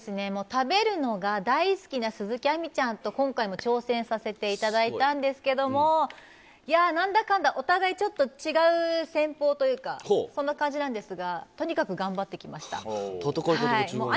食べるのが大好きな鈴木亜美ちゃんと、今回も挑戦させていただいたんですけども、いやー、なんだかんだ、お互い、ちょっと違う戦法というか、そんな感じなんですが、戦い方が違う。